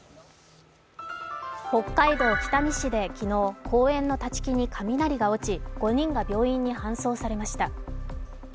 北海道北見市で昨日、公園の立ち木に雷が落ち、５人が病院に搬送されました。